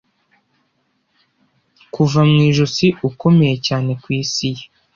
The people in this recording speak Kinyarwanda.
kuva mu ijosi ukomeye cyane ku isi ye